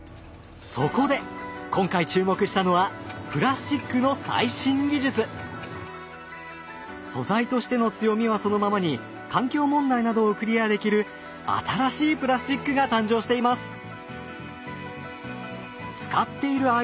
そこで今回注目したのはプラスチックの素材としての強みはそのままに環境問題などをクリアできる新しいプラスチックが誕生しています！